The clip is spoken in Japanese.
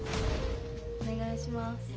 おねがいします。